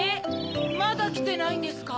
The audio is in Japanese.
まだきてないんですか？